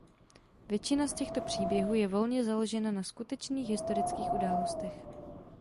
Většina z těchto příběhů je volně založena na skutečných historických událostech.